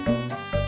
bawaannya dua ya